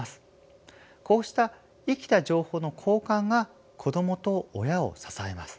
こうした生きた情報の交換が子どもと親を支えます。